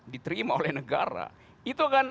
diterima oleh negara itu kan